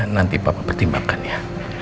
nanti papa pertimbangkan ya